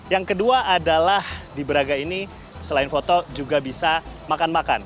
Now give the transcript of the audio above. yang kedua adalah di braga ini selain foto juga bisa makan makan